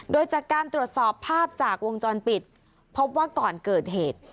โดยจากการตรวจสอบภาพจากวงจรปิดพบว่าก่อนเกิดเหตุ